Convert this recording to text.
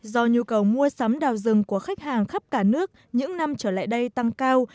do nhu cầu mua sắm đào rừng của khách hàng khắp cả nước những năm trở lại đây tăng cao